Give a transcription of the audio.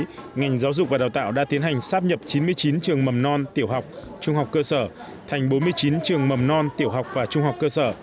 trong đó ngành giáo dục và đào tạo đã tiến hành sáp nhập chín mươi chín trường mầm non tiểu học trung học cơ sở thành bốn mươi chín trường mầm non tiểu học và trung học cơ sở